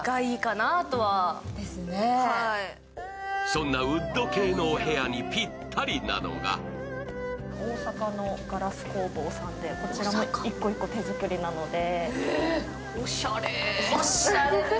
そんなウッド系のお部屋にぴったりなのが大阪のガラス工房さんでこちらも１個１個手作りなので。